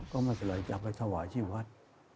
ก็ไม่เป็นไรจะไปถวายที่วัด